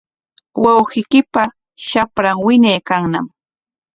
Wawqiykipa shapran wiñaykanñam.